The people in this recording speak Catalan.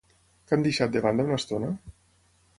Què han deixat de banda una estona?